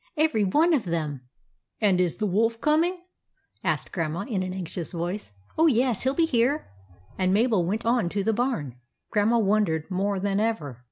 " Every one of them." " And is the — the Wolf coming ?" asked Grandma, in an anxious voice. "Oh, yes; he'll be here." And Mabel went on to the barn. Grandma wondered more than ever.